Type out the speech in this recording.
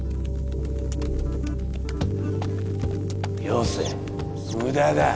よせ無駄だ。